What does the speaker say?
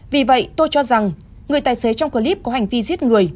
vì vậy tôi cho rằng người tài xế trong clip có hành vi giết người